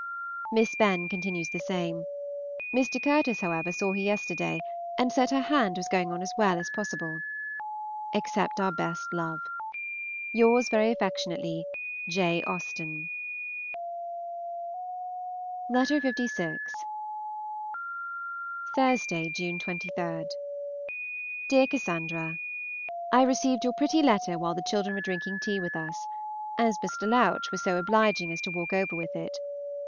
Miss Benn continues the same. Mr. Curtis, however, saw her yesterday, and said her hand was going on as well as possible. Accept our best love. Yours very affectionately, J. AUSTEN. Miss AUSTEN, 10 Henrietta Street, By favor of Mr. GRAY. LVI. THURSDAY (June 23). DEAREST CASSANDRA, I received your pretty letter while the children were drinking tea with us, as Mr. Louch was so obliging as to walk over with it.